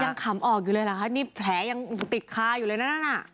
ยังขำออกอยู่เลยนะฮะนี่แผลยังติดคลาอยู่เลยนะฮะ